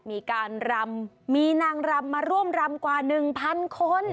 มีการรำมีนางรำมาร่วมรำกว่า๑๐๐คน